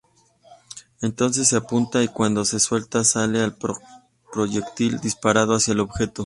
Entonces se apunta y cuando se suelta sale el proyectil disparado hacia el objetivo.